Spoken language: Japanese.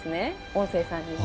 音声さんに。